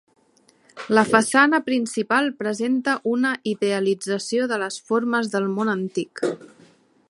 La façana principal presenta una idealització de les formes del món antic.